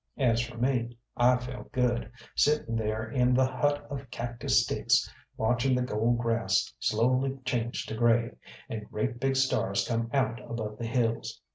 As for me, I felt good, sitting there in the hut of cactus sticks watching the gold grass slowly change to grey, and great big stars come out above the hills.